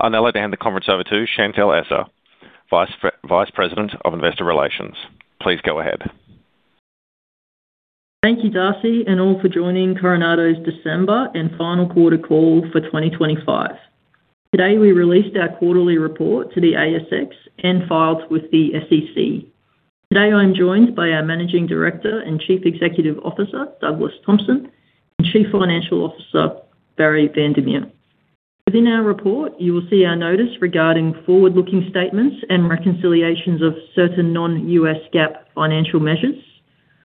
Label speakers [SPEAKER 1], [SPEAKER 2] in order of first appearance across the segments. [SPEAKER 1] I'll now hand the conference over to Chantelle Esser, Vice President of Investor Relations. Please go ahead.
[SPEAKER 2] Thank you, Darcy, and all for joining Coronado's December and final quarter call for 2025. Today, we released our quarterly report to the ASX and filed with the SEC. Today, I'm joined by our Managing Director and Chief Executive Officer, Douglas Thompson, and Chief Financial Officer, Barrie van der Merwe. Within our report, you will see our notice regarding forward-looking statements and reconciliations of certain non-U.S. GAAP financial measures.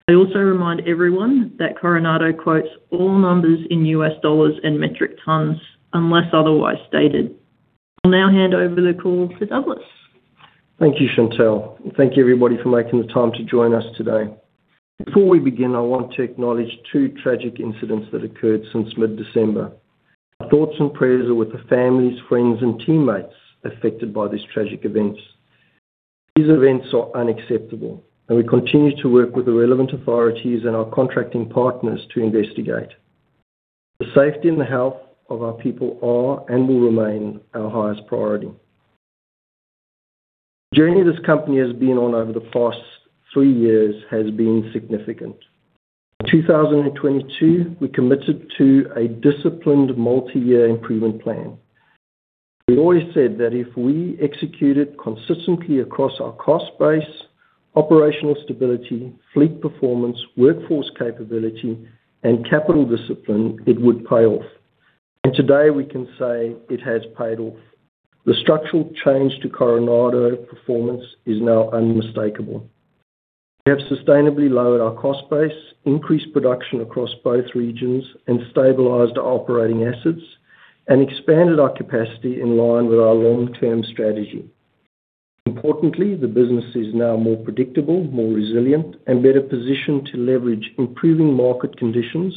[SPEAKER 2] I also remind everyone that Coronado quotes all numbers in U.S. dollars and metric tons unless otherwise stated. I'll now hand over the call to Douglas.
[SPEAKER 3] Thank you, Chantelle. Thank you, everybody, for making the time to join us today. Before we begin, I want to acknowledge two tragic incidents that occurred since mid-December. Our thoughts and prayers are with the families, friends, and teammates affected by these tragic events. These events are unacceptable, and we continue to work with the relevant authorities and our contracting partners to investigate. The safety and the health of our people are and will remain our highest priority. The journey this company has been on over the past 3 years has been significant. In 2022, we committed to a disciplined multi-year improvement plan. We always said that if we executed consistently across our cost base, operational stability, fleet performance, workforce capability, and capital discipline, it would pay off. And today, we can say it has paid off. The structural change to Coronado performance is now unmistakable. We have sustainably lowered our cost base, increased production across both regions, and stabilized operating assets, and expanded our capacity in line with our long-term strategy. Importantly, the business is now more predictable, more resilient, and better positioned to leverage improving market conditions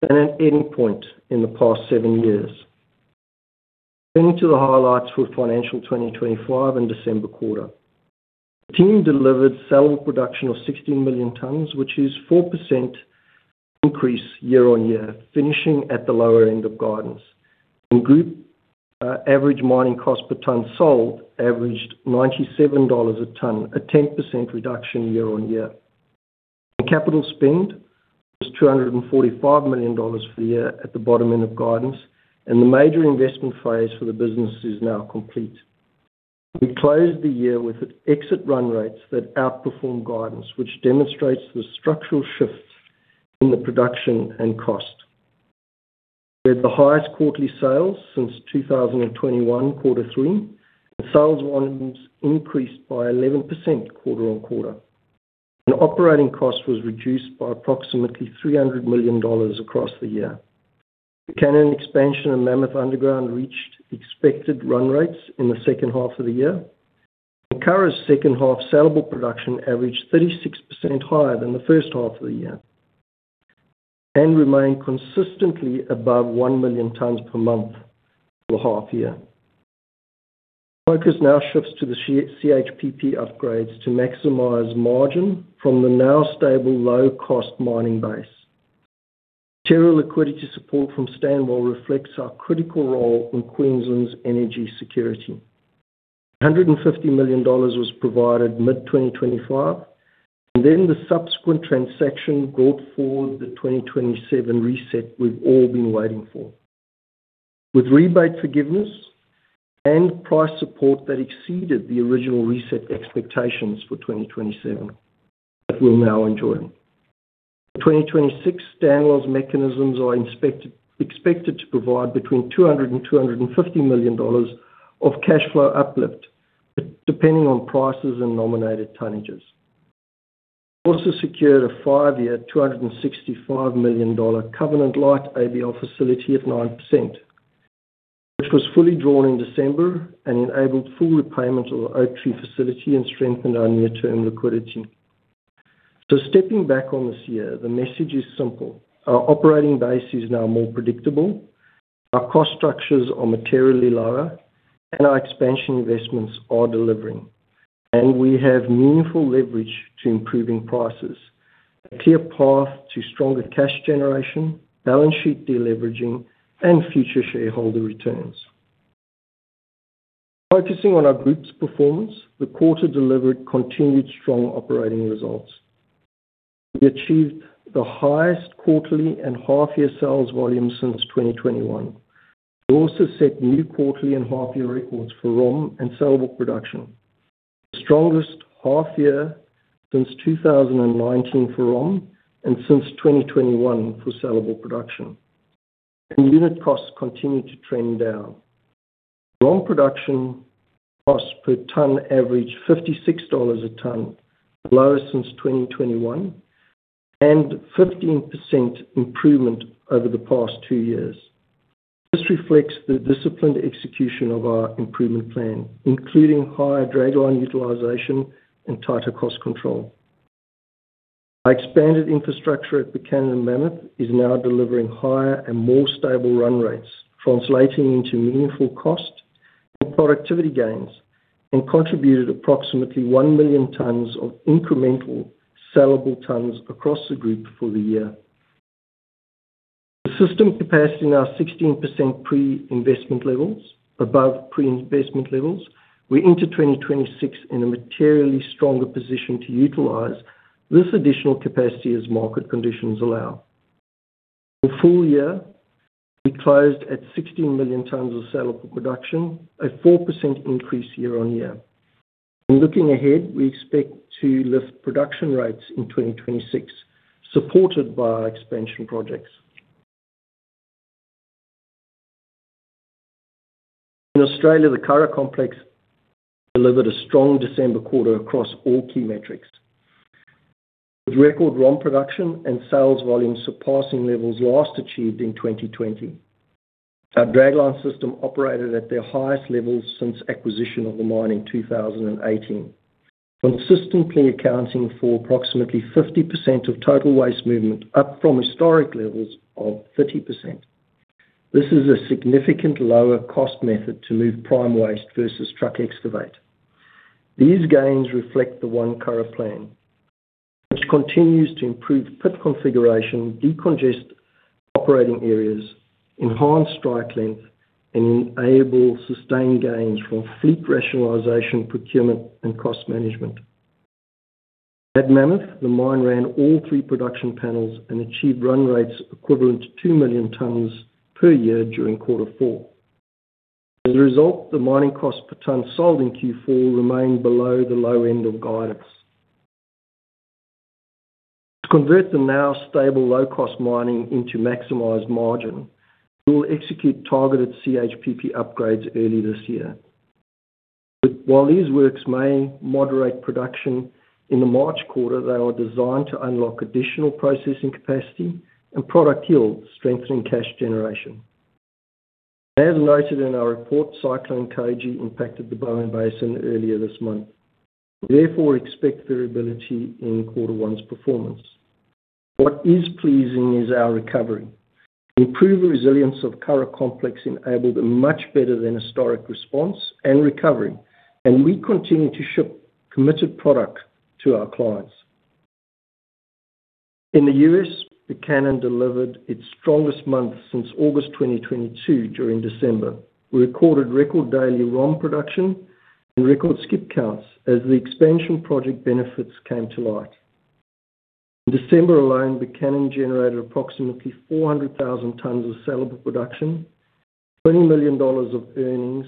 [SPEAKER 3] than at any point in the past 7 years. Turning to the highlights for financial 2025 and December quarter. The team delivered saleable production of 16 million tons, which is 4% increase year-on-year, finishing at the lower end of guidance. And group average mining cost per ton sold averaged $97 a ton, a 10% reduction year-on-year. The capital spend was $245 million for the year at the bottom end of guidance, and the major investment phase for the business is now complete. We closed the year with exit run rates that outperformed guidance, which demonstrates the structural shifts in the production and cost. We had the highest quarterly sales since 2021, Q3, and sales volumes increased by 11% quarter-on-quarter. Operating cost was reduced by approximately $300 million across the year. The Buchanan expansion and Mammoth Underground reached expected run rates in the second half of the year. Curragh's second half saleable production averaged 36% higher than the first half of the year and remained consistently above 1,000,000 tons per month for the half year. Focus now shifts to the CHPP upgrades to maximize margin from the now stable, low-cost mining base. Material liquidity support from Stanwell reflects our critical role in Queensland's energy security. $150 million was provided mid-2025, and then the subsequent transaction brought forward the 2027 reset we've all been waiting for. With rebate forgiveness and price support that exceeded the original reset expectations for 2027, that we're now enjoying. The 2026 Stanwell's mechanisms are expected to provide between $200 million and $250 million of cash flow uplift, depending on prices and nominated tonnages. We also secured a 5 year, $265 million covenant-lite ABL facility at 9%, which was fully drawn in December and enabled full repayment of the Oaktree facility and strengthened our near-term liquidity. So stepping back on this year, the message is simple: Our operating base is now more predictable, our cost structures are materially lower, and our expansion investments are delivering, and we have meaningful leverage to improving prices, a clear path to stronger cash generation, balance sheet de-leveraging, and future shareholder returns. Focusing on our group's performance, the quarter delivered continued strong operating results. We achieved the highest quarterly and half-year sales volume since 2021. We also set new quarterly and half-year records for ROM and sellable production. The strongest half year since 2019 for ROM and since 2021 for sellable production. And unit costs continue to trend down. ROM production cost per ton averaged $56 a ton, the lowest since 2021, and 15% improvement over the past 2 years. This reflects the disciplined execution of our improvement plan, including higher dragline utilization and tighter cost control. Our expanded infrastructure at Buchanan Mammoth is now delivering higher and more stable run rates, translating into meaningful cost and productivity gains, and contributed approximately 1 million tons of incremental sellable tons across the group for the year. System capacity now 16% above pre-investment levels. We enter 2026 in a materially stronger position to utilize this additional capacity as market conditions allow. In full year, we closed at 16 million tons of saleable production, a 4% increase year-on-year. In looking ahead, we expect to lift production rates in 2026, supported by our expansion projects. In Australia, the Curragh Complex delivered a strong December quarter across all key metrics, with record ROM production and sales volumes surpassing levels last achieved in 2020. Our dragline system operated at their highest levels since acquisition of the mine in 2018, consistently accounting for approximately 50% of total waste movement, up from historic levels of 30%. This is a significant lower cost method to move prime waste versus truck excavate. These gains reflect the One Curragh Plan, which continues to improve pit configuration, decongest operating areas, enhance strike length, and enable sustained gains from fleet rationalization, procurement, and cost management. At Mammoth, the mine ran all three production panels and achieved run rates equivalent to 2 million tons per year during Q4. As a result, the mining cost per ton sold in Q4 remained below the low end of guidance. To convert the now stable low-cost mining into maximized margin, we'll execute targeted CHPP upgrades early this year. But while these works may moderate production in the March quarter, they are designed to unlock additional processing capacity and product yield, strengthening cash generation. As noted in our report, Cyclone Koji impacted the Bowen Basin earlier this month, therefore, expect variability in quarter one's performance. What is pleasing is our recovery. Improved resilience of Curragh Complex enabled a much better than historic response and recovery, and we continue to ship committed product to our clients. In the U.S., Buchanan delivered its strongest month since August 2022 during December. We recorded record daily ROM production and record skip counts as the expansion project benefits came to light. In December alone, Buchanan generated approximately 400,000 tons of saleable production, $20 million of earnings,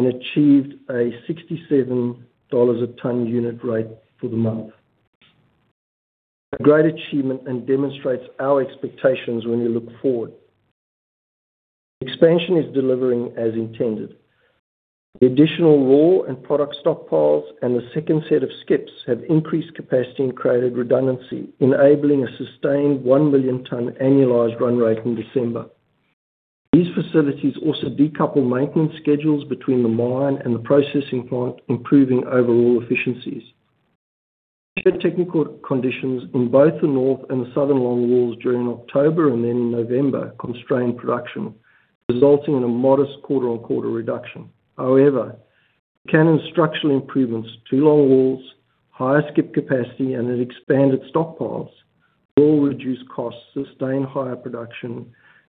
[SPEAKER 3] and achieved a $67/ton unit rate for the month. A great achievement and demonstrates our expectations when we look forward. Expansion is delivering as intended. The additional raw and product stockpiles and the second set of skips have increased capacity and created redundancy, enabling a sustained 1 million ton annualized run rate in December. These facilities also decouple maintenance schedules between the mine and the processing plant, improving overall efficiencies. Technical conditions in both the North and the Southern long walls during October and then in November constrained production, resulting in a modest quarter-on-quarter reduction. However, Buchanan's structural improvements to long walls, higher skip capacity, and expanded stockpiles will reduce costs, sustain higher production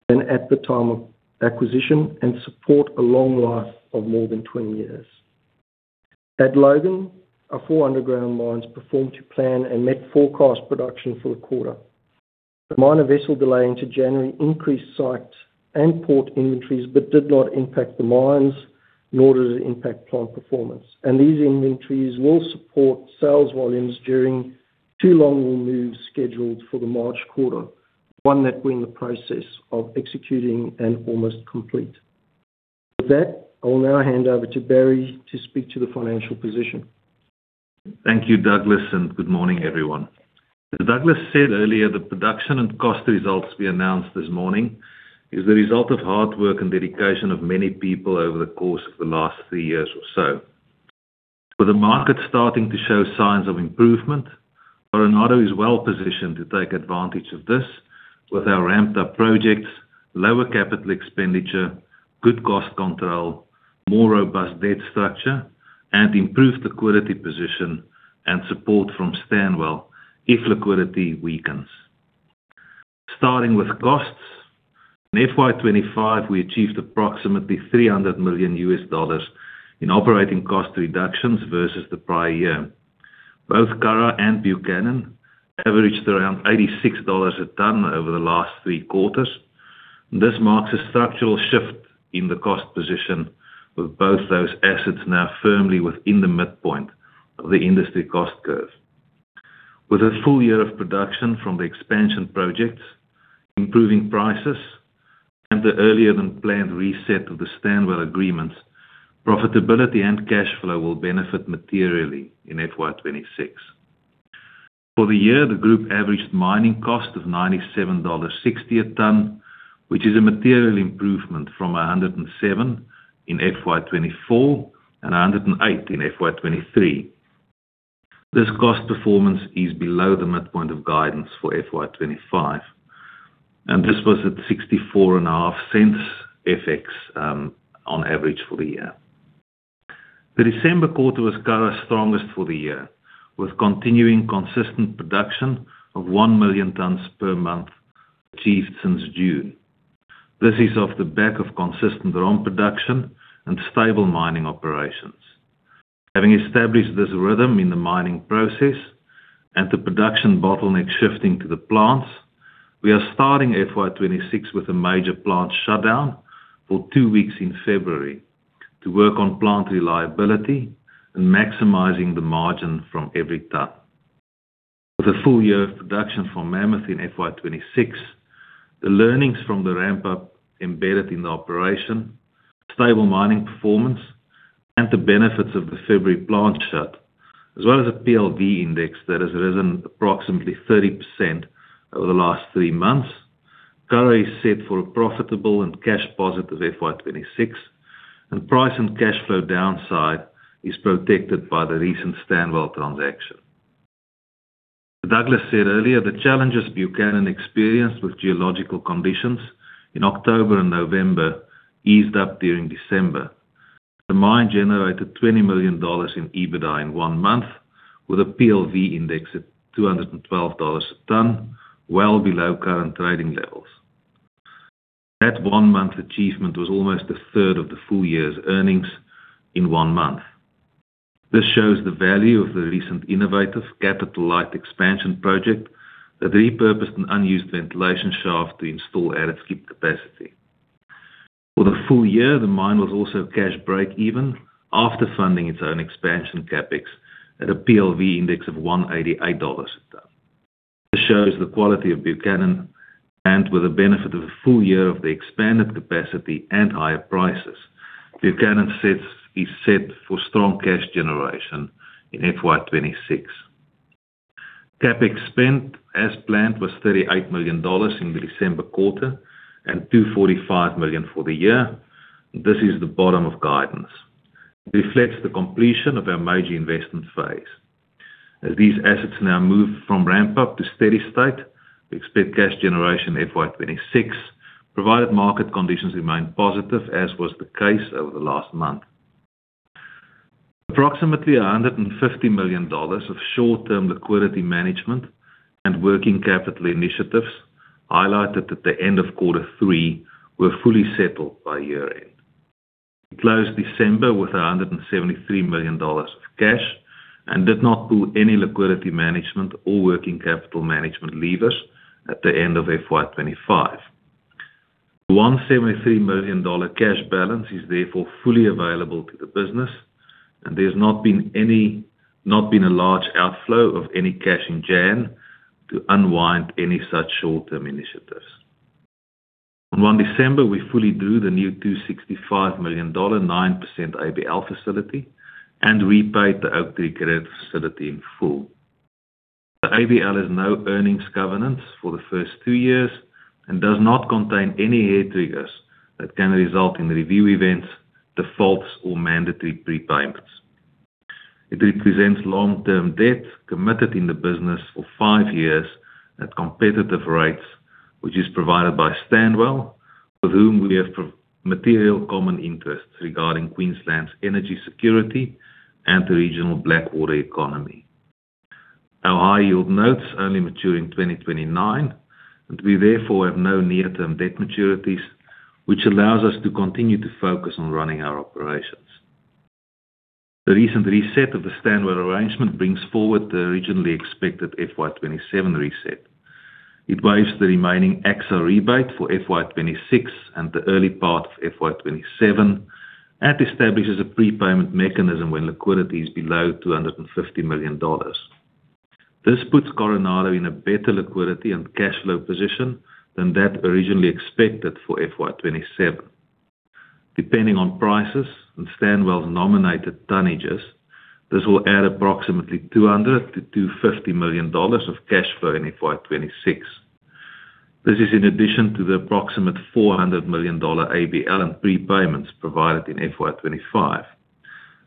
[SPEAKER 3] than at the time of acquisition, and support a long life of more than 20 years. At Logan, our 4 underground mines performed to plan and met forecast production for the quarter. Minor vessel delay into January increased site and port inventories, but did not impact the mines, nor did it impact plant performance. These inventories will support sales volumes during two long wall moves scheduled for the March quarter, one that we're in the process of executing and almost complete. With that, I will now hand over to Barry to speak to the financial position.
[SPEAKER 4] Thank you, Douglas, and good morning, everyone. As Douglas said earlier, the production and cost results we announced this morning is the result of hard work and dedication of many people over the course of the last 3 years or so. With the market starting to show signs of improvement, Coronado is well positioned to take advantage of this with our ramped-up projects, lower capital expenditure, good cost control, more robust debt structure, and improved liquidity position and support from Stanwell if liquidity weakens. Starting with costs, in FY 2025, we achieved approximately $300 million in operating cost reductions versus the prior year. Both Curragh and Buchanan averaged around $86 a ton over the last Q3. This marks a structural shift in the cost position, with both those assets now firmly within the midpoint of the industry cost curve. With a full year of production from the expansion projects, improving prices, and the earlier than planned reset of the Stanwell agreements, profitability and cash flow will benefit materially in FY 2026. For the year, the group averaged mining cost of $97.60/ton, which is a material improvement from $107 in FY 2024 and $108 in FY 2023. This cost performance is below the midpoint of guidance for FY 2025, and this was at 64.5 cents FX on average for the year.... The December quarter was Curragh's strongest for the year, with continuing consistent production of 1 million tons per month achieved since June. This is off the back of consistent ramp production and stable mining operations. Having established this rhythm in the mining process and the production bottleneck shifting to the plants, we are starting FY 2026 with a major plant shutdown for 2 weeks in February to work on plant reliability and maximizing the margin from every ton. With a full year of production for Mammoth in FY 2026, the learnings from the ramp-up embedded in the operation, stable mining performance, and the benefits of the February plant shut, as well as a PLV index that has risen approximately 30% over the last 3 months, Curragh is set for a profitable and cash positive FY 2026, and price and cash flow downside is protected by the recent Stanwell transaction. As Douglas said earlier, the challenges Buchanan experienced with geological conditions in October and November eased up during December. The mine generated $20 million in EBITDA in one month, with a PLV index at $212 a ton, well below current trading levels. That one-month achievement was almost a third of the full year's earnings in one month. This shows the value of the recent innovative capital-light expansion project that repurposed an unused ventilation shaft to install added skip capacity. For the full year, the mine was also cash break-even after funding its own expansion CapEx at a PLV index of $188 a ton. This shows the quality of Buchanan, and with the benefit of a full year of the expanded capacity and higher prices, Buchanan is set for strong cash generation in FY 2026. CapEx spend, as planned, was $38 million in the December quarter and $245 million for the year. This is the bottom of guidance. It reflects the completion of our major investment phase. As these assets now move from ramp-up to steady state, we expect cash generation in FY 2026, provided market conditions remain positive, as was the case over the last month. Approximately $150 million of short-term liquidity management and working capital initiatives highlighted at the end of Q3 were fully settled by year-end. We closed December with $173 million of cash and did not pull any liquidity management or working capital management levers at the end of FY 2025. The $173 million cash balance is therefore fully available to the business, and there's not been a large outflow of any cash in Jan to unwind any such short-term initiatives. On 1 December, we fully drew the new $265 million, 9% ABL facility and repaid the Oaktree credit facility in full. The ABL has no earnings governance for the first 2 years and does not contain any hair triggers that can result in review events, defaults, or mandatory prepayments. It represents long-term debt committed in the business for 5 years at competitive rates, which is provided by Stanwell, with whom we have material common interests regarding Queensland's energy security and the regional Blackwater economy. Our high-yield notes only mature in 2029, and we therefore have no near-term debt maturities, which allows us to continue to focus on running our operations. The recent reset of the Stanwell arrangement brings forward the originally expected FY 2027 reset. It waives the remaining tax rebate for FY 2026 and the early part of FY 2027 and establishes a prepayment mechanism when liquidity is below $250 million. This puts Coronado in a better liquidity and cash flow position than that originally expected for FY 2027. Depending on prices and Stanwell's nominated tonnages, this will add approximately $200 million-$250 million of cash flow in FY 2026. This is in addition to the approximate $400 million ABL and prepayments provided in FY 2025.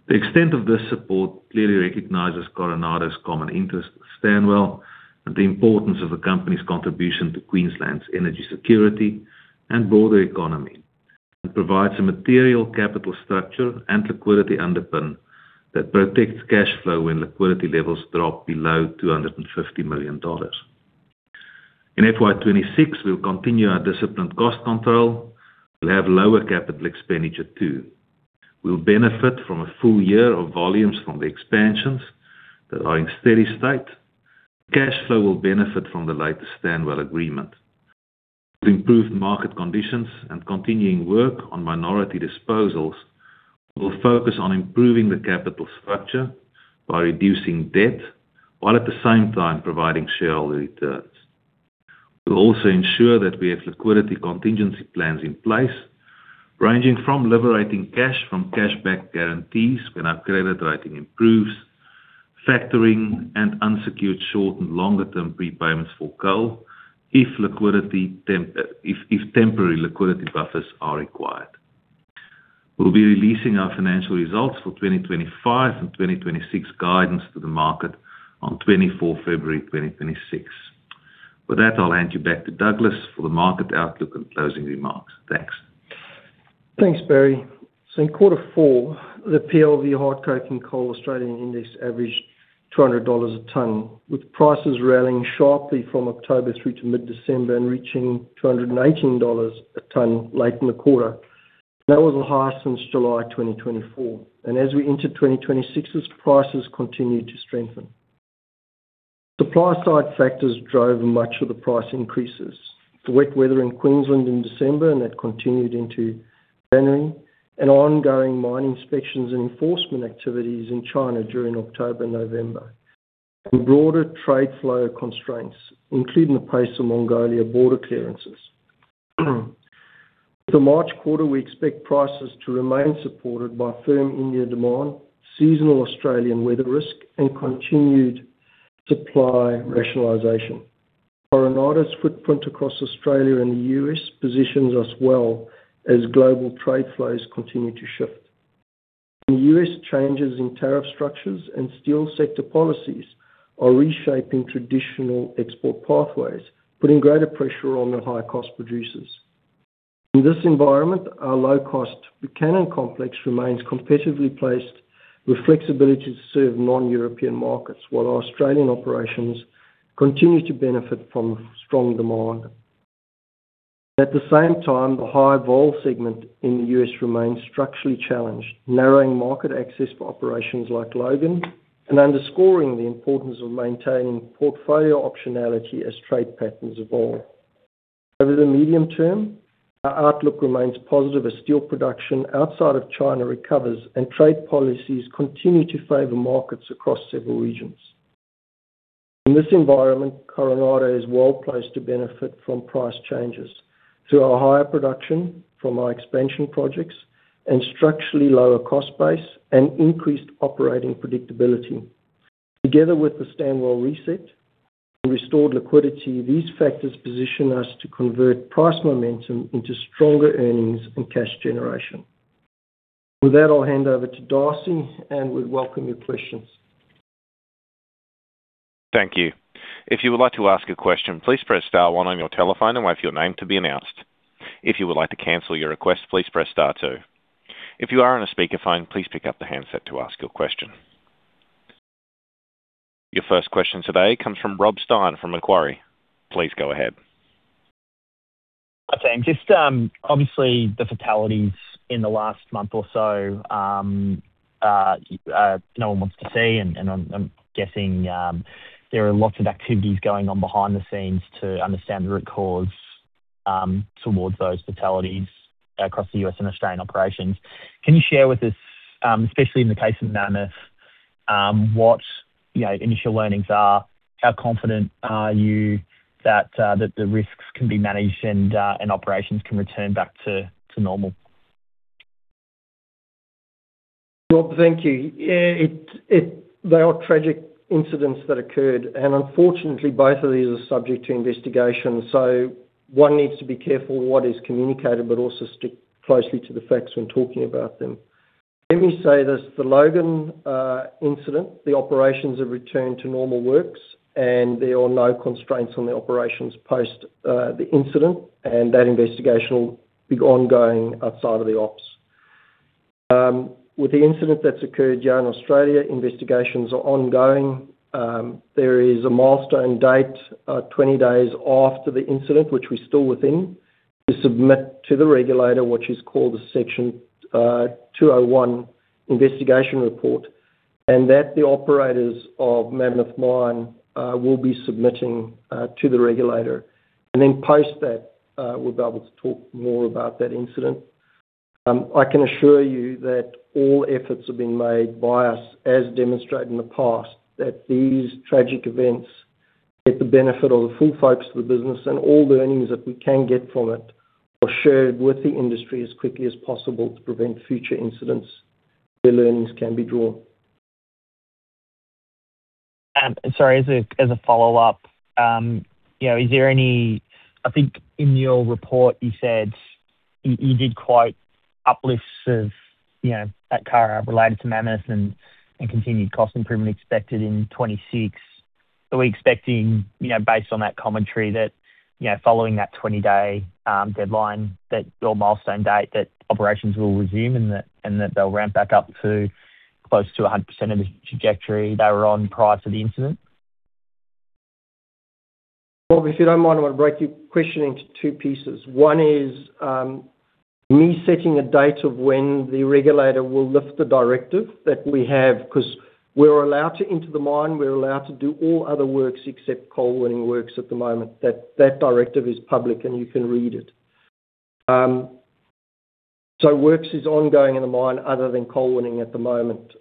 [SPEAKER 4] The extent of this support clearly recognizes Coronado's common interest with Stanwell and the importance of the company's contribution to Queensland's energy security and broader economy. It provides a material capital structure and liquidity underpin that protects cash flow when liquidity levels drop below $250 million. In FY 2026, we'll continue our disciplined cost control. We'll have lower capital expenditure, too. We'll benefit from a full year of volumes from the expansions that are in steady state. Cash flow will benefit from the latest Stanwell agreement. To improve market conditions and continuing work on minority disposals, we'll focus on improving the capital structure by reducing debt, while at the same time providing shareholder returns. We'll also ensure that we have liquidity contingency plans in place, ranging from liberating cash from cash back guarantees when our credit rating improves, factoring and unsecured short and longer-term prepayments for coal if temporary liquidity buffers are required. We'll be releasing our financial results for 2025 and 2026 guidance to the market on 24th February 2026. With that, I'll hand you back to Douglas for the market outlook and closing remarks. Thanks.
[SPEAKER 3] Thanks, Barry. So in Q4, the PLV hard coking coal Australian index averaged $200 a ton, with prices rallying sharply from October through to mid-December and reaching $218 a ton late in the quarter. That was the highest since July 2024, and as we entered 2026, as prices continued to strengthen. Supply side factors drove much of the price increases. The wet weather in Queensland in December, and that continued into January, and ongoing mine inspections and enforcement activities in China during October, November. The broader trade flow constraints, including the pace of Mongolia border clearances. The March quarter, we expect prices to remain supported by firm India demand, seasonal Australian weather risk, and continued supply rationalization. Coronado's footprint across Australia and the U.S. positions us well as global trade flows continue to shift. The U.S. changes in tariff structures and steel sector policies are reshaping traditional export pathways, putting greater pressure on the high-cost producers. In this environment, our low-cost Buchanan complex remains competitively placed with flexibility to serve non-European markets, while our Australian operations continue to benefit from strong demand. At the same time, the high vol segment in the U.S. remains structurally challenged, narrowing market access for operations like Logan and underscoring the importance of maintaining portfolio optionality as trade patterns evolve. Over the medium term, our outlook remains positive as steel production outside of China recovers and trade policies continue to favor markets across several regions. In this environment, Coronado is well-placed to benefit from price changes through our higher production from our expansion projects and structurally lower cost base and increased operating predictability. Together with the Stanwell reset and restored liquidity, these factors position us to convert price momentum into stronger earnings and cash generation. With that, I'll hand over to Darcy, and we welcome your questions.
[SPEAKER 1] Thank you. If you would like to ask a question, please press star one on your telephone and wait for your name to be announced. If you would like to cancel your request, please press star two. If you are on a speakerphone, please pick up the handset to ask your question. Your first question today comes from Rob Stein from Macquarie. Please go ahead.
[SPEAKER 5] Okay. Just, obviously, the fatalities in the last month or so, no one wants to see, and I'm guessing, there are lots of activities going on behind the scenes to understand the root cause, towards those fatalities across the U.S. and Australian operations. Can you share with us, especially in the case of Mammoth, what, you know, initial learnings are? How confident are you that the risks can be managed and operations can return back to normal?
[SPEAKER 3] Well, thank you. Yeah, they are tragic incidents that occurred, and unfortunately, both of these are subject to investigation. So one needs to be careful what is communicated, but also stick closely to the facts when talking about them. Let me say this, the Logan incident, the operations have returned to normal works, and there are no constraints on the operations post the incident, and that investigation will be ongoing outside of the ops. With the incident that's occurred here in Australia, investigations are ongoing. There is a milestone date, 20 days after the incident, which we're still within, to submit to the regulator, which is called the Section 201 investigation report, and that the operators of Mammoth Mine will be submitting to the regulator. And then post that, we'll be able to talk more about that incident. I can assure you that all efforts have been made by us, as demonstrated in the past, that these tragic events get the benefit of the full focus of the business and all the learnings that we can get from it are shared with the industry as quickly as possible to prevent future incidents, where learnings can be drawn.
[SPEAKER 5] Sorry, as a follow-up, you know, is there any—I think in your report, you said, you did quote uplifts of, you know, that CAR related to Mammoth and continued cost improvement expected in 2026. Are we expecting, you know, based on that commentary, that, you know, following that 20-day deadline, that your milestone date, that operations will resume and that they'll ramp back up to close to 100% of the trajectory they were on prior to the incident?
[SPEAKER 3] Well, if you don't mind, I want to break your question into two pieces. One is me setting a date of when the regulator will lift the directive that we have, 'cause we're allowed to enter the mine, we're allowed to do all other works except coal winning works at the moment. That directive is public, and you can read it. So works is ongoing in the mine other than coal winning at the moment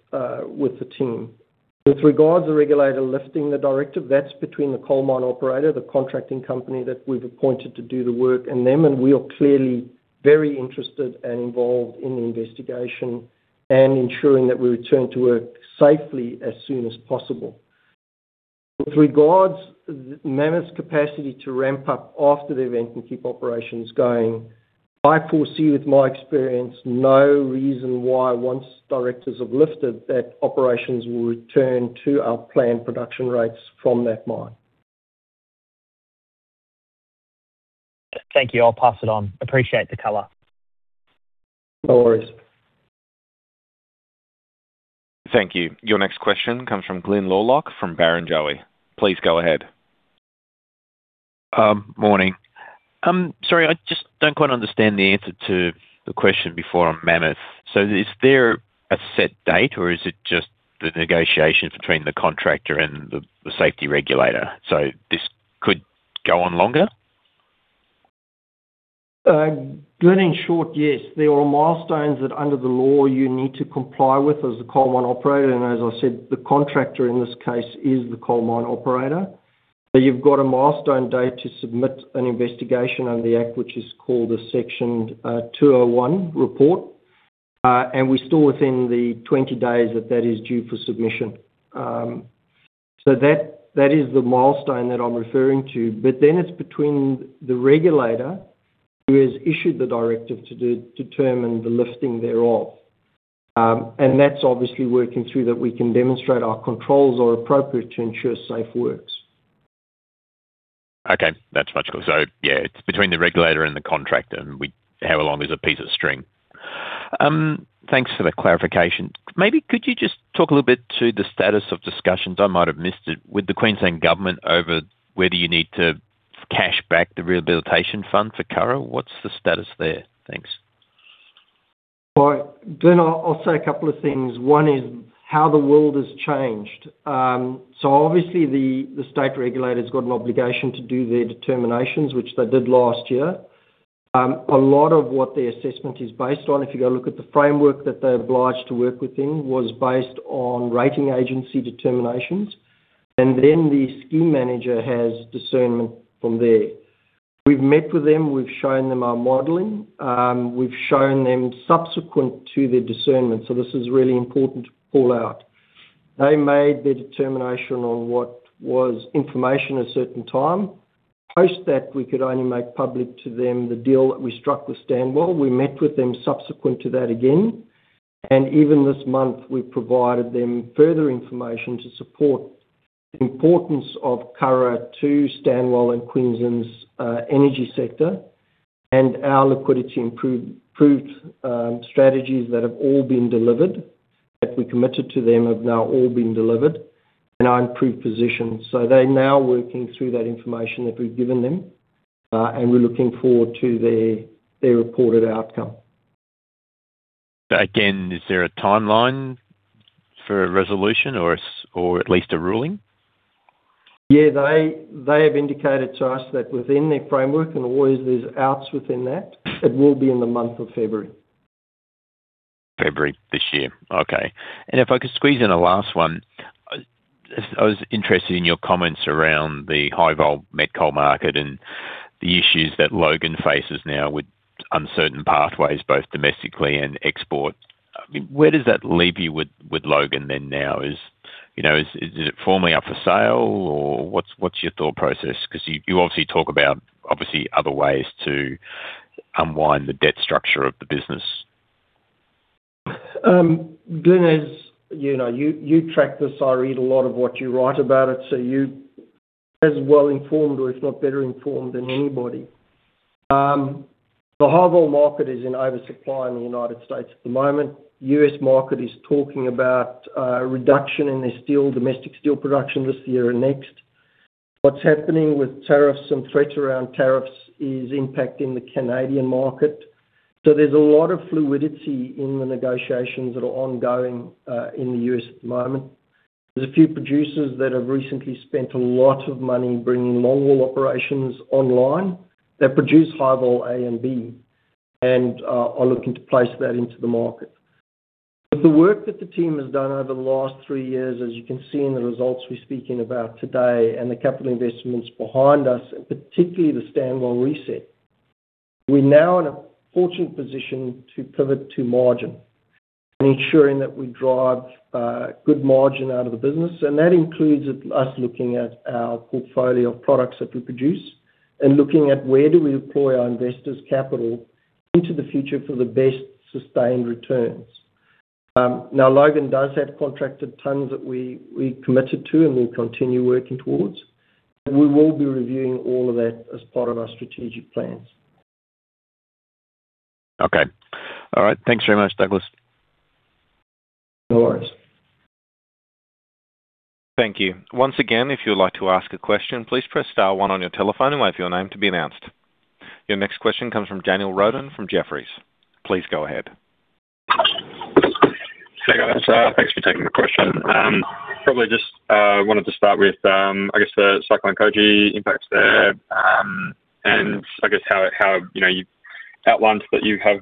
[SPEAKER 3] with the team. With regards to the regulator lifting the directive, that's between the coal mine operator, the contracting company that we've appointed to do the work, and them, and we are clearly very interested and involved in the investigation and ensuring that we return to work safely as soon as possible. With regards to Mammoth's capacity to ramp up after the event and keep operations going-... I foresee with my experience, no reason why once directors have lifted, that operations will return to our planned production rates from that mine.
[SPEAKER 5] Thank you. I'll pass it on. Appreciate the color.
[SPEAKER 3] No worries.
[SPEAKER 1] Thank you. Your next question comes from Glyn Lawcock from Barrenjoey. Please go ahead.
[SPEAKER 6] Morning. Sorry, I just don't quite understand the answer to the question before on Mammoth. So is there a set date, or is it just the negotiation between the contractor and the safety regulator? So this could go on longer?
[SPEAKER 3] Glenn, in short, yes. There are milestones that under the law you need to comply with as a coal mine operator, and as I said, the contractor in this case is the coal mine operator. So you've got a milestone date to submit an investigation under the act, which is called a Section 201 report. And we're still within the 20 days that that is due for submission. So that, that is the milestone that I'm referring to. But then it's between the regulator, who has issued the directive to determine the lifting thereof. And that's obviously working through that we can demonstrate our controls are appropriate to ensure safe works.
[SPEAKER 6] Okay, that's much cooler. So yeah, it's between the regulator and the contractor, and we—how long is a piece of string? Thanks for the clarification. Maybe could you just talk a little bit to the status of discussions, I might have missed it, with the Queensland Government over whether you need to cash back the rehabilitation fund for Curragh? What's the status there? Thanks.
[SPEAKER 3] Well, Glyn, I'll say a couple of things. One is how the world has changed. So obviously the state regulator's got an obligation to do their determinations, which they did last year. A lot of what their assessment is based on, if you go look at the framework that they're obliged to work within, was based on rating agency determinations, and then the scheme manager has discernment from there. We've met with them, we've shown them our modeling, we've shown them subsequent to their discernment. So this is really important to call out. They made their determination on what was information at a certain time. Post that, we could only make public to them the deal that we struck with Stanwell. We met with them subsequent to that again, and even this month, we provided them further information to support the importance of Curragh to Stanwell and Queensland's energy sector, and our liquidity improved strategies that have all been delivered, that we committed to them have now all been delivered, in our improved position. So they're now working through that information that we've given them, and we're looking forward to their reported outcome.
[SPEAKER 6] Again, is there a timeline for a resolution or at least a ruling?
[SPEAKER 3] Yeah, they, they have indicated to us that within their framework, and always there's outs within that, it will be in the month of February.
[SPEAKER 6] February this year. Okay. And if I could squeeze in a last one. I was interested in your comments around the high vol met coal market and the issues that Logan faces now with uncertain pathways, both domestically and export. I mean, where does that leave you with, with Logan then now? Is, you know, is, is it formally up for sale, or what's, what's your thought process? 'Cause you, you obviously talk about obviously other ways to unwind the debt structure of the business.
[SPEAKER 3] Glyn, as you know, you, you track this, I read a lot of what you write about it, so you're as well informed, or if not better informed than anybody. The high vol market is in oversupply in the United States at the moment. U.S. market is talking about reduction in their steel, domestic steel production this year and next. What's happening with tariffs and threats around tariffs is impacting the Canadian market. So there's a lot of fluidity in the negotiations that are ongoing in the U.S. at the moment. There's a few producers that have recently spent a lot of money bringing longwall operations online that produce High Vol A and B, and are looking to place that into the market. But the work that the team has done over the last 3 years, as you can see in the results we're speaking about today, and the capital investments behind us, and particularly the Stanwell reset, we're now in a fortunate position to pivot to margin and ensuring that we drive good margin out of the business, and that includes us, us looking at our portfolio of products that we produce, and looking at where do we deploy our investors' capital into the future for the best sustained returns. Now, Logan does have contracted tons that we, we committed to and we'll continue working towards, but we will be reviewing all of that as part of our strategic plans.
[SPEAKER 6] Okay. All right. Thanks very much, Douglas.
[SPEAKER 3] No worries.
[SPEAKER 1] Thank you. Once again, if you'd like to ask a question, please press star one on your telephone and wait for your name to be announced. Your next question comes from Daniel Roden from Jefferies. Please go ahead.
[SPEAKER 7] Hey, guys. Thanks for taking the question. Probably just wanted to start with, I guess, the Cyclone Koji impacts there, and I guess how, you know, you've outlined that you have,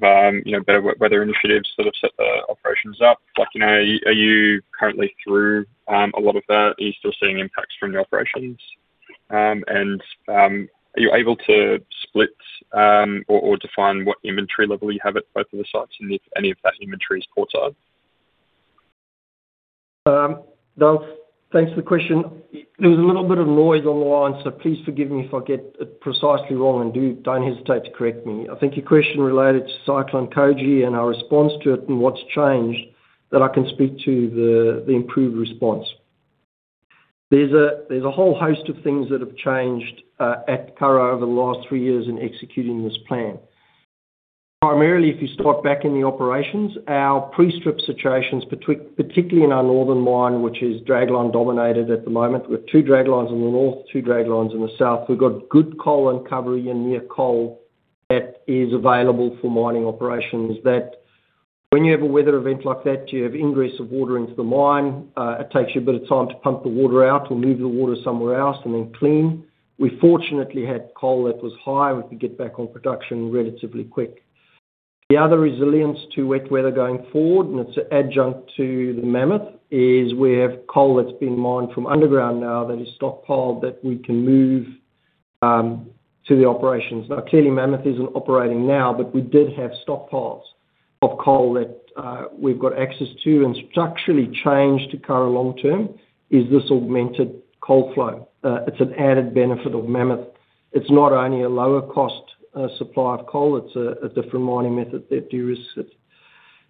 [SPEAKER 7] you know, better weather initiatives that have set the operations up. Like, you know, are you, are you currently through a lot of that? Are you still seeing impacts from the operations? And, are you able to split, or, define what inventory level you have at both of the sites, and if any of that inventory is port side?...
[SPEAKER 3] Doug, thanks for the question. There was a little bit of noise on the line, so please forgive me if I get it precisely wrong, and don't hesitate to correct me. I think your question related to Cyclone Koji and our response to it and what's changed, that I can speak to the improved response. There's a whole host of things that have changed at Curragh over the last 3 years in executing this plan. Primarily, if you start back in the operations, our pre-strip situations, particularly in our northern mine, which is dragline dominated at the moment, with two draglines in the north, two draglines in the south. We've got good coal and covering in near coal that is available for mining operations, that when you have a weather event like that, you have ingress of water into the mine. It takes you a bit of time to pump the water out or move the water somewhere else and then clean. We fortunately had coal that was high, we could get back on production relatively quick. The other resilience to wet weather going forward, and it's an adjunct to the Mammoth, is we have coal that's been mined from underground now, that is stockpiled, that we can move to the operations. Now, clearly, Mammoth isn't operating now, but we did have stockpiles of coal that we've got access to, and structurally changed to Curragh long term, is this augmented coal flow. It's an added benefit of Mammoth. It's not only a lower cost supply of coal, it's a different mining method that de-risks it.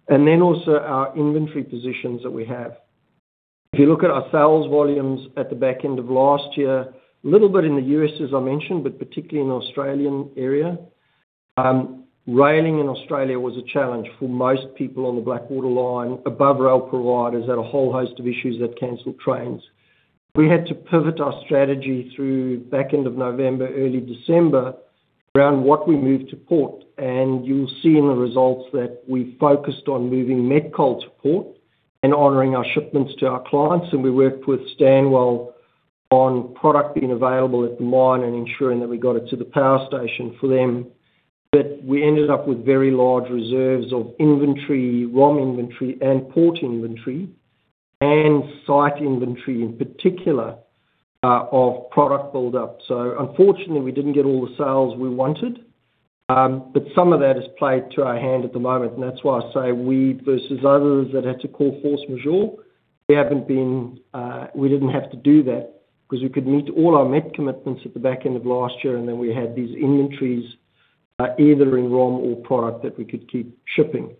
[SPEAKER 3] And then also our inventory positions that we have. If you look at our sales volumes at the back end of last year, a little bit in the U.S., as I mentioned, but particularly in the Australian area, raining in Australia was a challenge for most people on the Blackwater line. Above rail providers had a whole host of issues that canceled trains. We had to pivot our strategy through back end of November, early December, around what we moved to port, and you'll see in the results that we focused on moving met coal to port and honoring our shipments to our clients, and we worked with Stanwell on product being available at the mine and ensuring that we got it to the power station for them. But we ended up with very large reserves of inventory, raw inventory and port inventory, and site inventory, in particular, of product buildup. So unfortunately, we didn't get all the sales we wanted, but some of that has played to our hand at the moment, and that's why I say we versus others that had to call force majeure, we haven't been, we didn't have to do that, 'cause we could meet all our met commitments at the back end of last year, and then we had these inventories, either in raw or product, that we could keep shipping.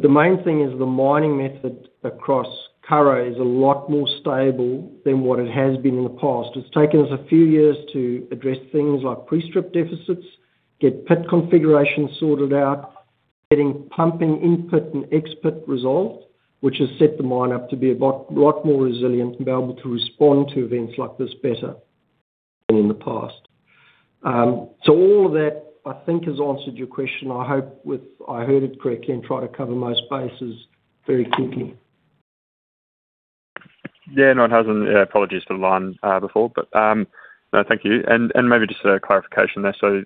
[SPEAKER 3] The main thing is the mining method across Curragh is a lot more stable than what it has been in the past. It's taken us a few years to address things like pre-strip deficits, get pit configurations sorted out, getting pumping input and expert resolved, which has set the mine up to be a lot, lot more resilient and be able to respond to events like this better than in the past. So all of that, I think, has answered your question. I hope I heard it correctly and tried to cover most bases very quickly.
[SPEAKER 7] Yeah, no, it hasn't. Apologies for the line before, but no, thank you. And maybe just a clarification there. So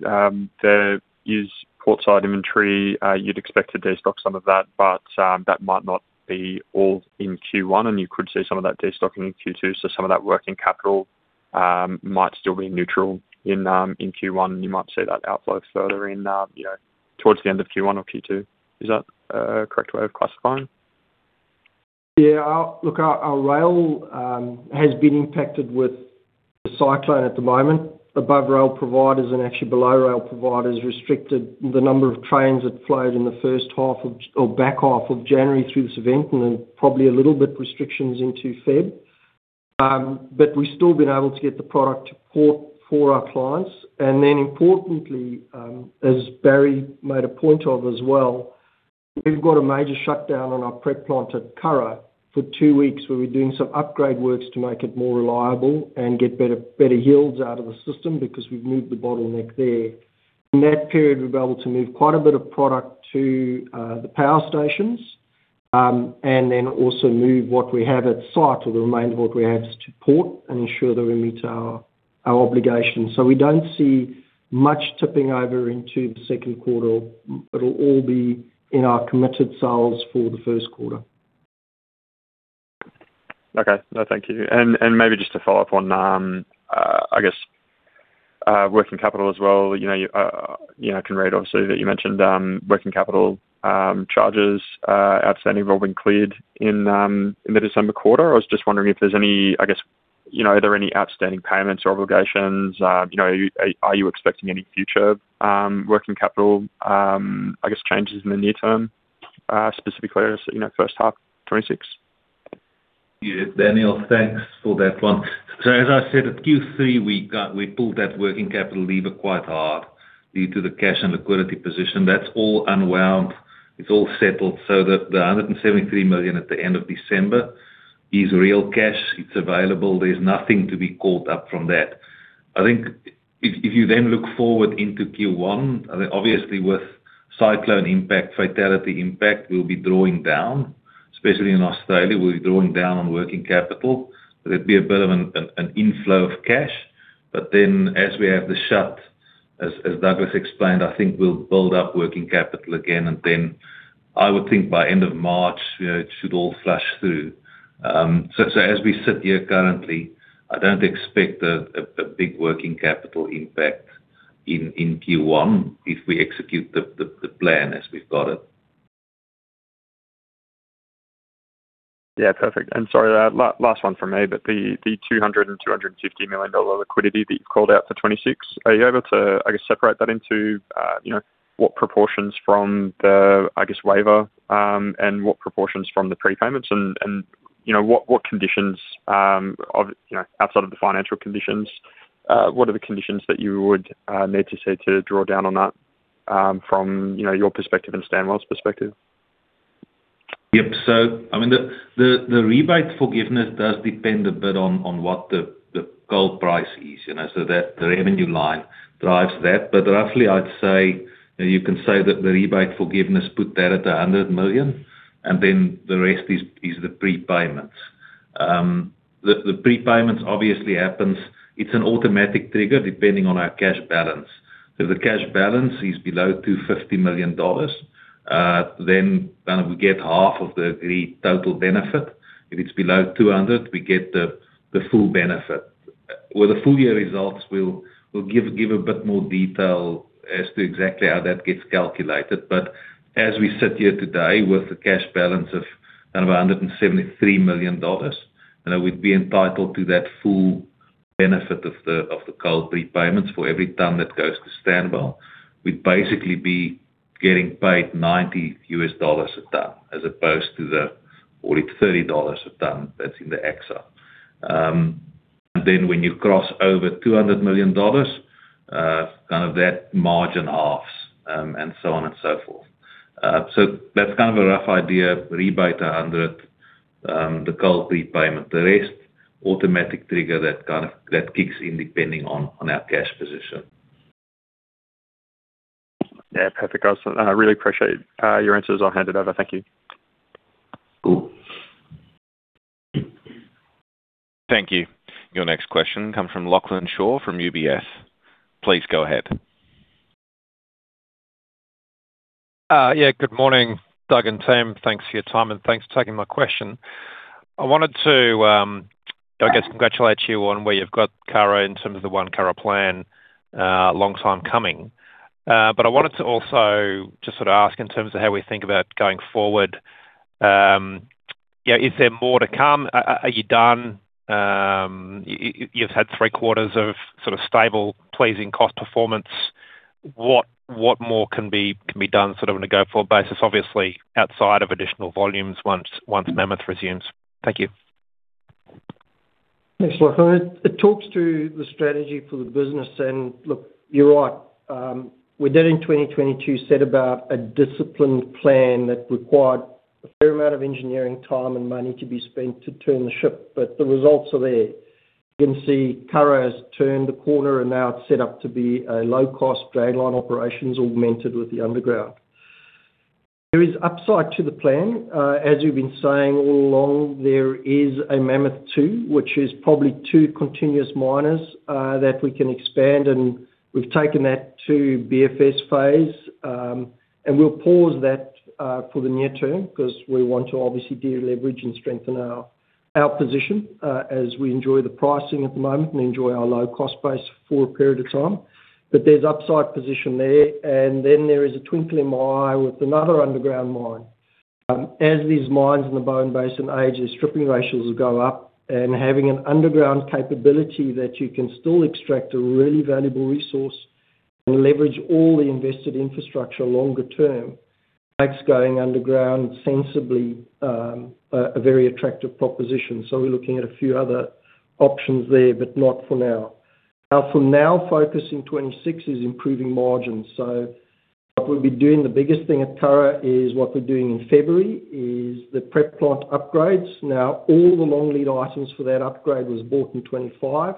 [SPEAKER 7] there is port side inventory, you'd expect to destock some of that, but that might not be all in Q1, and you could see some of that destocking in Q2. So some of that working capital might still be neutral in in Q1, you might see that outflow further in, you know, towards the end of Q1 or Q2. Is that a correct way of classifying?
[SPEAKER 3] Yeah, our... Look, our, our rail has been impacted with the cyclone at the moment. Above rail providers and actually below rail providers restricted the number of trains that flowed in the first half of, or back half of January through this event, and then probably a little bit restrictions into February. But we've still been able to get the product to port for our clients. And then importantly, as Barry made a point of as well, we've got a major shutdown on our prep plant at Curragh for two weeks, where we're doing some upgrade works to make it more reliable and get better, better yields out of the system, because we've moved the bottleneck there. In that period, we've been able to move quite a bit of product to the power stations, and then also move what we have at site or the remainder of what we have to port and ensure that we meet our obligations. So we don't see much tipping over into the Q2. It'll all be in our committed sales for the Q1.
[SPEAKER 7] Okay. No, thank you. And maybe just to follow up on, I guess, working capital as well. You know, you know, I can read obviously that you mentioned working capital charges outstanding have all been cleared in the December quarter. I was just wondering if there's any, I guess, you know, are there any outstanding payments or obligations? You know, are you expecting any future working capital, I guess, changes in the near term, specifically as you know, first half 2026?
[SPEAKER 4] Yeah, Daniel, thanks for that one. So as I said, at Q3, we got- we pulled that working capital lever quite hard due to the cash and liquidity position. That's all unwound. It's all settled, so that the $173 million at the end of December is real cash. It's available, there's nothing to be caught up from that. I think if you then look forward into Q1, obviously with cyclone impact, fatality impact, we'll be drawing down, especially in Australia, we'll be drawing down on working capital. There'd be a bit of an inflow of cash, but then as we have the shut, as Douglas explained, I think we'll build up working capital again, and then I would think by end of March, you know, it should all flush through.
[SPEAKER 3] So as we sit here currently, I don't expect a big working capital impact in Q1 if we execute the plan as we've got it.
[SPEAKER 7] Yeah, perfect. And sorry, last one from me, but the $200-$250 million liquidity that you've called out for 2026, are you able to, I guess, separate that into, you know, what proportions from the, I guess, waiver, and what proportions from the prepayments and, you know, what, what conditions, of, you know, outside of the financial conditions, what are the conditions that you would need to see to draw down on that, from, you know, your perspective and Stanwell's perspective?
[SPEAKER 4] Yep. So I mean, the rebate forgiveness does depend a bit on what the gold price is, you know, so that the revenue line drives that. But roughly, I'd say, you know, you can say that the rebate forgiveness, put that at $100 million, and then the rest is the prepayments. The prepayments obviously happens. It's an automatic trigger, depending on our cash balance. If the cash balance is below $250 million, then we get half of the total benefit. If it's below $200 million, we get the full benefit. With the full year results, we'll give a bit more detail as to exactly how that gets calculated. But as we sit here today, with a cash balance of around $173 million, and I would be entitled to that full benefit of the, of the coal prepayments for every ton that goes to Stanwell, we'd basically be getting paid $90 a ton, as opposed to the only $30 a ton that's in the existing. Then when you cross over $200 million, kind of that margin halves, and so on and so forth. So that's kind of a rough idea. Rebate $100, the coal prepayment. The rest, automatic trigger that kind of, that kicks in depending on, on our cash position.
[SPEAKER 7] Yeah, perfect. I really appreciate your answers. I'll hand it over. Thank you.
[SPEAKER 3] Cool.
[SPEAKER 1] Thank you. Your next question comes from Lachlan Shaw from UBS. Please go ahead.
[SPEAKER 8] Yeah, good morning, Doug and Tim. Thanks for your time, and thanks for taking my question. I wanted to, I guess, congratulate you on where you've got Curragh in terms of the One Curragh Plan, long time coming. But I wanted to also just sort of ask in terms of how we think about going forward, is there more to come? Are you done? You've had Q3 of sort of stable, pleasing cost performance. What more can be done sort of on a go-forward basis, obviously, outside of additional volumes once Mammoth resumes? Thank you.
[SPEAKER 3] Thanks, Lachlan. It talks to the strategy for the business, and look, you're right. We did in 2022 set about a disciplined plan that required a fair amount of engineering time and money to be spent to turn the ship, but the results are there. You can see Curragh has turned the corner, and now it's set up to be a low-cost dragline operations, augmented with the underground. There is upside to the plan. As you've been saying all along, there is a Mammoth 2, which is probably two continuous miners, that we can expand, and we've taken that to BFS phase. And we'll pause that, for the near term, 'cause we want to obviously de-leverage and strengthen our position, as we enjoy the pricing at the moment and enjoy our low-cost base for a period of time. But there's upside position there, and then there is a twinkle in my eye with another underground mine. As these mines in the Bowen Basin age, the stripping ratios will go up, and having an underground capability that you can still extract a really valuable resource and leverage all the invested infrastructure longer term, makes going underground sensibly a very attractive proposition. So we're looking at a few other options there, but not for now. Now, from now, focus in 2026 is improving margins. So what we'll be doing, the biggest thing at Curragh is what we're doing in February, is the prep plant upgrades. Now, all the long lead items for that upgrade was bought in 2025.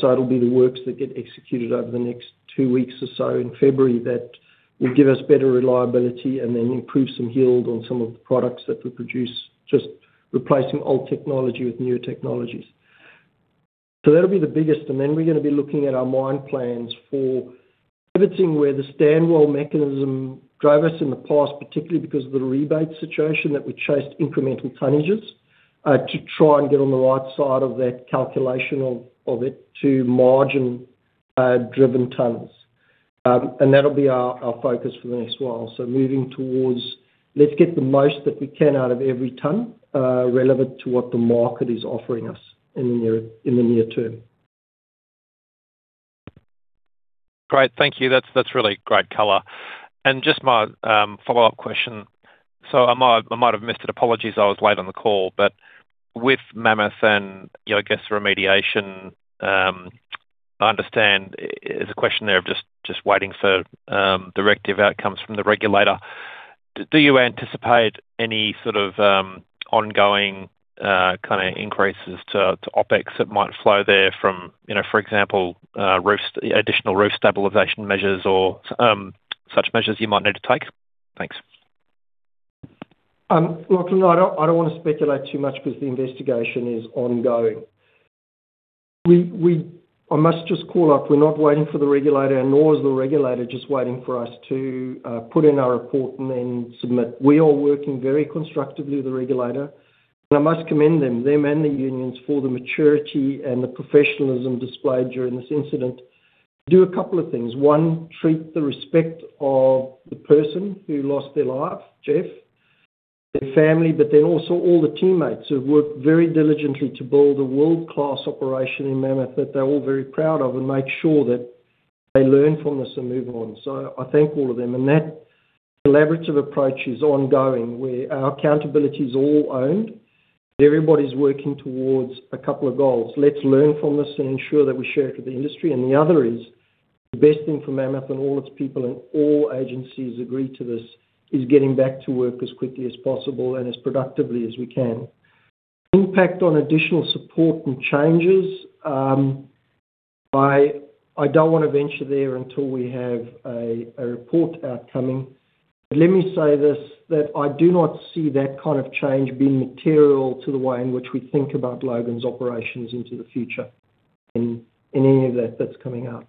[SPEAKER 3] So it'll be the works that get executed over the next two weeks or so in February that will give us better reliability and then improve some yield on some of the products that we produce, just replacing old technology with newer technologies. So that'll be the biggest, and then we're gonna be looking at our mine plans for pivoting where the Stanwell mechanism drove us in the past, particularly because of the rebate situation, that we chased incremental tonnages, to try and get on the right side of that calculation of EBITDA margin-driven tons. And that'll be our focus for the next while. So moving towards let's get the most that we can out of every ton, relevant to what the market is offering us in the near term.
[SPEAKER 8] Great. Thank you. That's really great color. And just my follow-up question. So I might have missed it. Apologies, I was late on the call, but with Mammoth and, you know, I guess, remediation, I understand there's a question there of just waiting for directive outcomes from the regulator. Do you anticipate any sort of ongoing kind of increases to OpEx that might flow there from, you know, for example, roof additional roof stabilization measures or such measures you might need to take? Thanks.
[SPEAKER 3] Lachlan, I don't wanna speculate too much because the investigation is ongoing. I must just call out, we're not waiting for the regulator, and nor is the regulator just waiting for us to put in our report and then submit. We are working very constructively with the regulator.... And I must commend them and the unions for the maturity and the professionalism displayed during this incident. Do a couple of things. One, treat the respect of the person who lost their life, Jeff, their family, but then also all the teammates who have worked very diligently to build a world-class operation in Mammoth that they're all very proud of, and make sure that they learn from this and move on. So I thank all of them. And that collaborative approach is ongoing, where our accountability is all owned. Everybody's working towards a couple of goals. Let's learn from this and ensure that we share it with the industry, and the other is, the best thing for Mammoth and all its people, and all agencies agree to this, is getting back to work as quickly as possible and as productively as we can. Impact on additional support and changes, I don't want to venture there until we have a report coming out. But let me say this, that I do not see that kind of change being material to the way in which we think about Logan's operations into the future, in any of that that's coming out.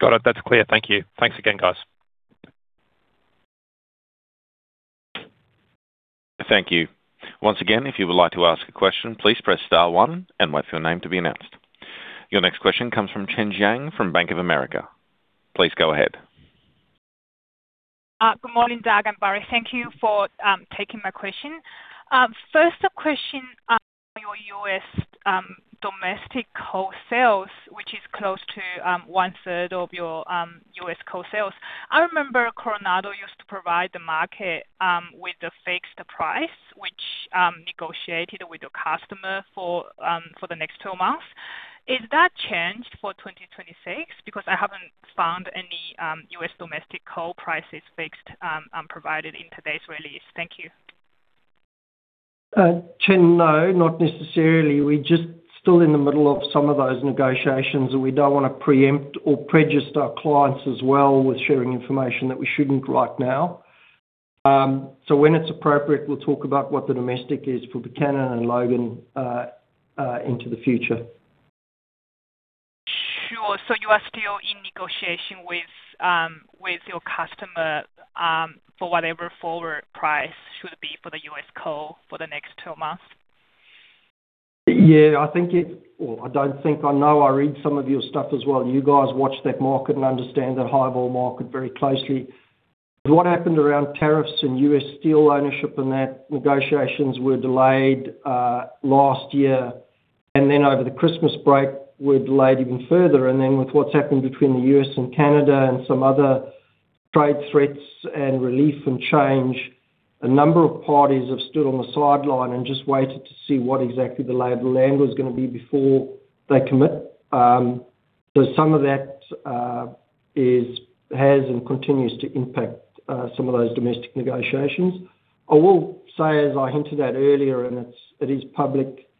[SPEAKER 8] Got it. That's clear. Thank you. Thanks again, guys.
[SPEAKER 1] Thank you. Once again, if you would like to ask a question, please press star one and wait for your name to be announced. Your next question comes from Chen Jiang from Bank of America. Please go ahead.
[SPEAKER 9] Good morning, Doug and Barry. Thank you for taking my question. First, a question on your U.S. domestic coal sales, which is close to one third of your U.S. coal sales. I remember Coronado used to provide the market with the fixed price, which negotiated with your customer for the next two months. Is that changed for 2026? Because I haven't found any U.S. domestic coal prices fixed provided in today's release. Thank you.
[SPEAKER 4] Chen, no, not necessarily. We're just still in the middle of some of those negotiations, and we don't wanna preempt or prejudice our clients as well with sharing information that we shouldn't right now. So when it's appropriate, we'll talk about what the domestic is for Buchanan and Logan into the future.
[SPEAKER 9] Sure. So you are still in negotiation with, with your customer, for whatever forward price should be for the U.S. coal for the next two months?
[SPEAKER 4] Yeah, I think it. Well, I don't think, I know I read some of your stuff as well. You guys watch that market and understand the high vol market very closely. But what happened around tariffs and U.S. Steel ownership, and that negotiations were delayed last year, and then over the Christmas break, were delayed even further. And then with what's happened between the U.S. and Canada and some other trade threats and relief and change, a number of parties have stood on the sidelines and just waited to see what exactly the lay of the land was gonna be before they commit. So some of that is, has and continues to impact some of those domestic negotiations. I will say, as I hinted at earlier, and it's, it is public,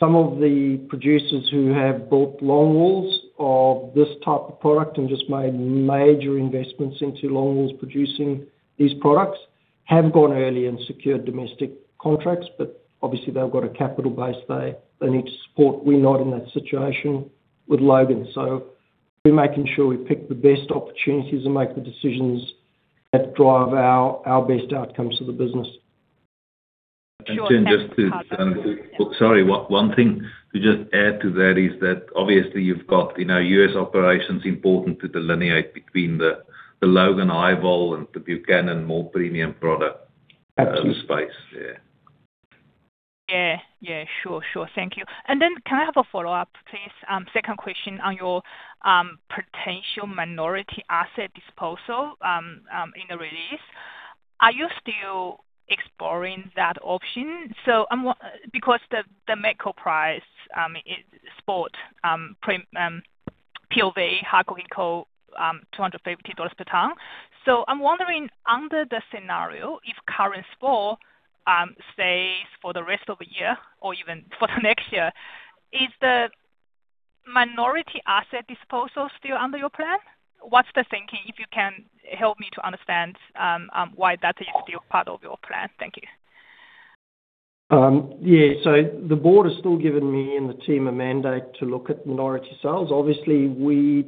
[SPEAKER 4] some of the producers who have built long walls of this type of product and just made major investments into long walls producing these products, have gone early and secured domestic contracts. But obviously, they've got a capital base they, they need to support. We're not in that situation with Logan, so we're making sure we pick the best opportunities and make the decisions that drive our, our best outcomes for the business.
[SPEAKER 9] Sure, thank you-
[SPEAKER 3] And just to sorry, one thing to just add to that is that obviously you've got, you know, U.S. operations important to delineate between the Logan high vol and the Buchanan more premium product-
[SPEAKER 9] Absolutely. Yeah. Yeah. Yeah, sure, sure. Thank you. And then can I have a follow-up, please? Second question on your potential minority asset disposal in the release. Are you still exploring that option? So I'm wondering, because the met coal price, its spot PLV high-quality coal $250 per ton. So I'm wondering, under the scenario, if current spot stays for the rest of the year or even for the next year, is the minority asset disposal still under your plan? What's the thinking, if you can help me to understand why that is still part of your plan? Thank you.
[SPEAKER 3] Yeah, so the board has still given me and the team a mandate to look at minority sales. Obviously, we,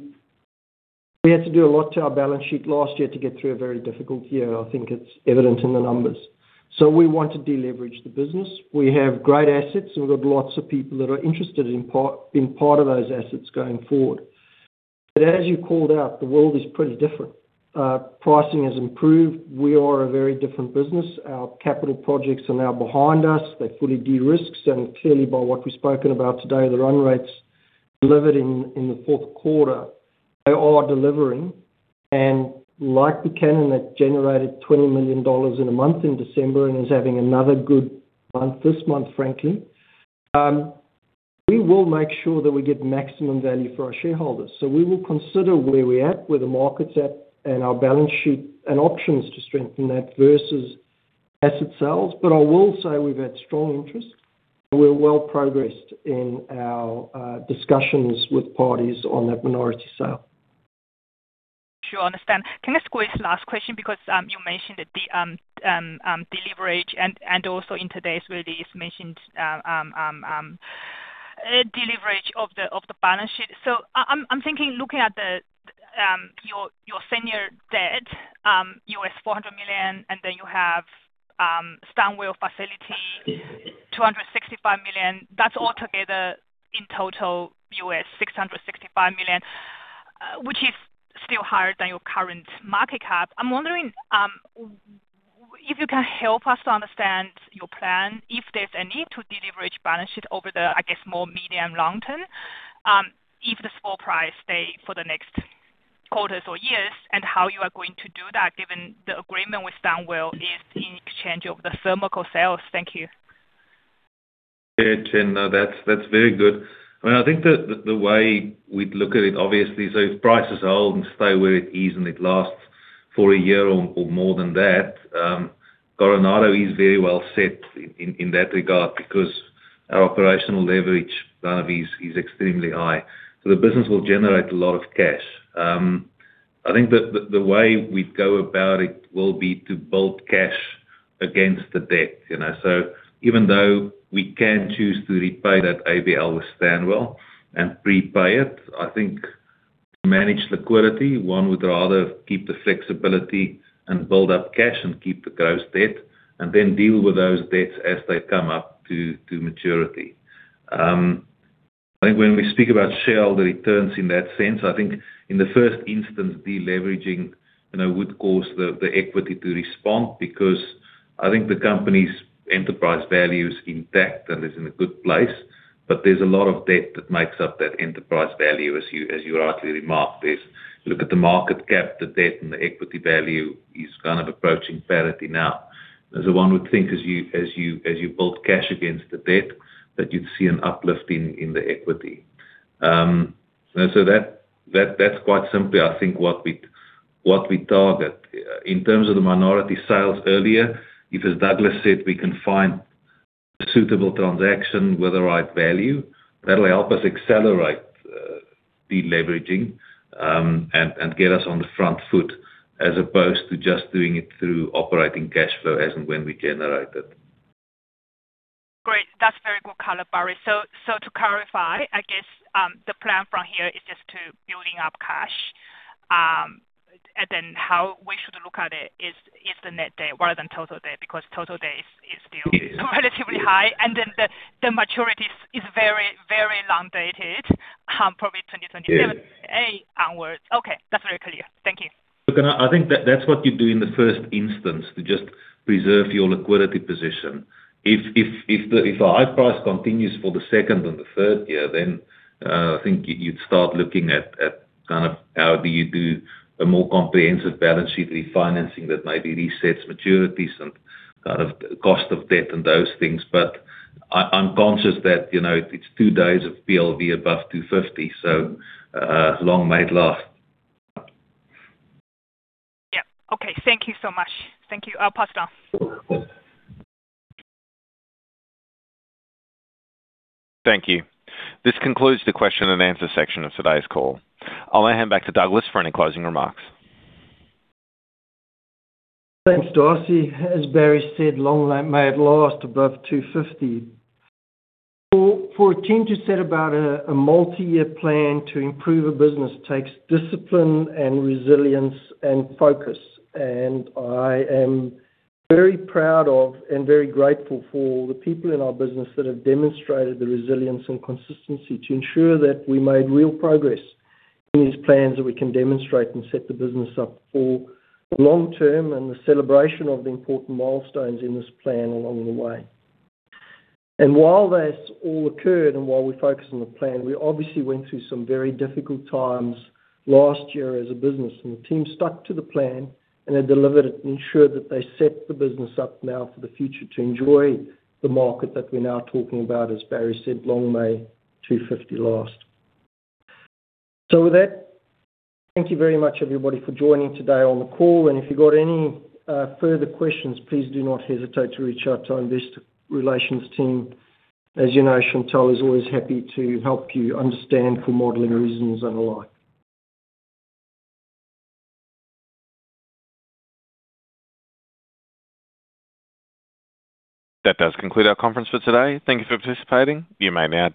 [SPEAKER 3] we had to do a lot to our balance sheet last year to get through a very difficult year. I think it's evident in the numbers. So we want to deleverage the business. We have great assets, and we've got lots of people that are interested in being part of those assets going forward. But as you called out, the world is pretty different. Pricing has improved. We are a very different business. Our capital projects are now behind us. They're fully de-risked, and clearly, by what we've spoken about today, the run rates delivered in the Q4, they are delivering. And like Buchanan, that generated $20 million in a month in December and is having another good month this month, frankly. We will make sure that we get maximum value for our shareholders. So we will consider where we're at, where the market's at, and our balance sheet and options to strengthen that versus asset sales. But I will say we've had strong interest, and we're well progressed in our discussions with parties on that minority sale.
[SPEAKER 9] Sure, understand. Can I ask one last question? Because you mentioned that the deleverage and also in today's release mentioned de-leverage of the balance sheet. So I'm thinking, looking at the your senior debt $400 million, and then you have Stanwell facility $265 million. That's all together in total $665 million, which is still higher than your current market cap. I'm wondering if you can help us to understand your plan, if there's a need to de-leverage balance sheet over the, I guess, more medium long term, if the coal price stays for the next quarters or years, and how you are going to do that, given the agreement with Stanwell is in exchange of the thermal coal sales. Thank you.
[SPEAKER 4] Yeah, Chen, that's very good. I mean, I think the way we'd look at it, obviously, so if prices hold and stay where it is, and it lasts for a year or more than that, Coronado is very well set in that regard because our operational leverage is extremely high. So the business will generate a lot of cash. I think the way we'd go about it will be to build cash against the debt, you know? So even though we can choose to repay that ABL with Stanwell and prepay it, I think to manage liquidity, one would rather keep the flexibility and build up cash and keep the gross debt, and then deal with those debts as they come up to maturity. I think when we speak about shareholder returns in that sense, I think in the first instance, de-leveraging, you know, would cause the equity to respond, because I think the company's enterprise value is intact and is in a good place, but there's a lot of debt that makes up that enterprise value, as you rightly remarked. If you look at the market cap, the debt, and the equity value, is kind of approaching parity now. And so one would think as you build cash against the debt, that you'd see an uplift in the equity. And so that, that's quite simply, I think, what we target. In terms of the minority sales earlier, if, as Douglas said, we can find a suitable transaction with the right value, that'll help us accelerate de-leveraging and get us on the front foot, as opposed to just doing it through operating cash flow as and when we generate it.
[SPEAKER 9] Great. That's very good clarity, Barrie. So to clarify, I guess, the plan from here is just to building up cash. And then how we should look at it is the net debt rather than total debt, because total debt is still relatively high, and then the maturity is very, very long dated, probably 2027, 2028 onwards. Okay. That's very clear. Thank you.
[SPEAKER 4] Look, I think that's what you do in the first instance, to just preserve your liquidity position. If the high price continues for the 2 and the 3 year, then I think you'd start looking at kind of how do you do a more comprehensive balance sheet refinancing that maybe resets maturities and kind of cost of debt and those things. But I'm conscious that, you know, it's two days of PLV above $250, so long may it last.
[SPEAKER 9] Yeah. Okay. Thank you so much. Thank you. I'll pass it on.
[SPEAKER 1] Thank you. This concludes the question and answer section of today's call. I'll hand back to Douglas for any closing remarks.
[SPEAKER 3] Thanks, Darcy. As Barry said, long may it last above $250. For a team to set about a multi-year plan to improve a business takes discipline and resilience and focus, and I am very proud of, and very grateful for the people in our business that have demonstrated the resilience and consistency to ensure that we made real progress in these plans, that we can demonstrate and set the business up for the long term, and the celebration of the important milestones in this plan along the way. While that's all occurred, and while we focus on the plan, we obviously went through some very difficult times last year as a business, and the team stuck to the plan and have delivered it and ensured that they set the business up now for the future to enjoy the market that we're now talking about, as Barry said, "Long may $250 last." So with that, thank you very much, everybody, for joining today on the call, and if you've got any further questions, please do not hesitate to reach out to our investor relations team. As you know, Chantelle is always happy to help you understand for modeling reasons and the like.
[SPEAKER 1] That does conclude our conference for today. Thank you for participating. You may now disconnect.